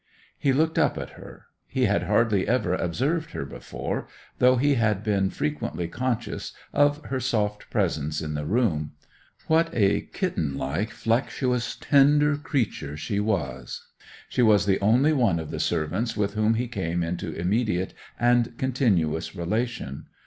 He looked up at her. He had hardly ever observed her before, though he had been frequently conscious of her soft presence in the room. What a kitten like, flexuous, tender creature she was! She was the only one of the servants with whom he came into immediate and continuous relation.